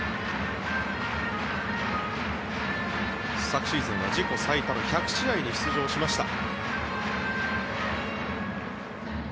昨シーズンは自己最多の１００試合に出場しました。